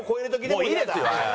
もういいですよ！